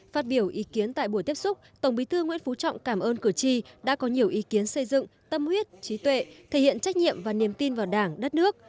phát biểu ý kiến tại buổi tiếp xúc tổng bí thư nguyễn phú trọng cảm ơn cử tri đã có nhiều ý kiến xây dựng tâm huyết trí tuệ thể hiện trách nhiệm và niềm tin vào đảng đất nước